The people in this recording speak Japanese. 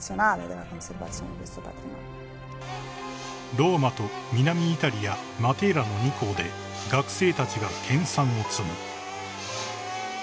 ［ローマと南イタリアマテーラの２校で学生たちが研さんを積む］